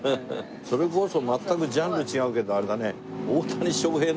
それこそ全くジャンル違うけどあれだね。